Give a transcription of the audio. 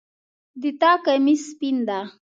د تا کمیس سپین ده